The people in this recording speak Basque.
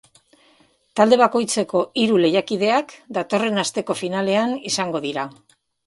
Talde bakoitzeko hiru lehiakideak datorren asteko finalean izango dira.